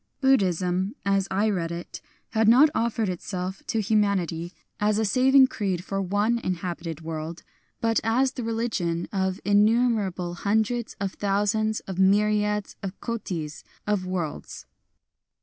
Bud dhism, as I read it, had not offered itself to IN JAPANESE FOLK SONG 209 humanity as a saving creed for one inhabited world, but as the religion of " innumerable hundreds of thousands of myriads of kotis ^ of worlds."